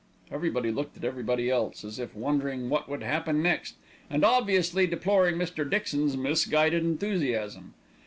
Everybody looked at everybody else, as if wondering what would happen next, and obviously deploring Mr. Dixon's misguided enthusiasm.